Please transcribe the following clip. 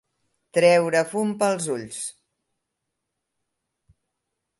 Treure fum pels ulls.